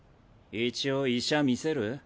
一応医者診せる？